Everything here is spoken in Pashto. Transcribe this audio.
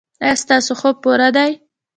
ایا ستاسو خوب پوره دی؟